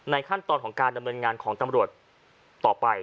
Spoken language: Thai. ในขั้นตอนการปรับบุญงานของตำรวจต่อไป